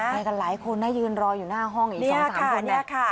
ไปกันหลายคนนะยืนรออยู่หน้าห้องอีก๒๓คนเนี่ย